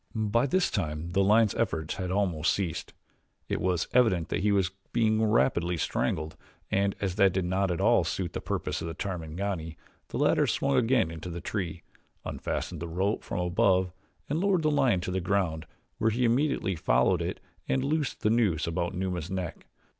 By this time the lion's efforts had almost ceased it was evident that he was being rapidly strangled and as that did not at all suit the purpose of the Tarmangani the latter swung again into the tree, unfastened the rope from above and lowered the lion to the ground where he immediately followed it and loosed the noose about Numa's neck.